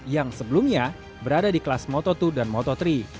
yang sebelumnya berada di kelas moto dua dan moto tiga